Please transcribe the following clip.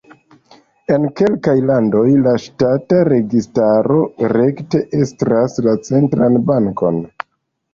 En kelkaj landoj la ŝtata registaro rekte estras la centran bankon.